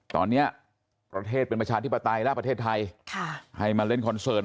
ตอนนี้ประเทศเป็นประชาธิปไตยและประเทศไทยให้มาเล่นคอนเสิร์ต